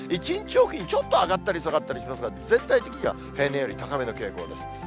１日置きにちょっと上がったり下がったりしますが、全体的には平年より高めの傾向です。